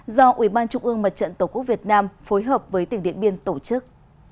do ủy ban trung ương mặt trận tổ quốc việt nam phối hợp với tỉnh điện biên tổ chức